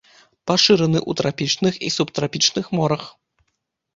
Пашыраны ў трапічных і субтрапічных морах.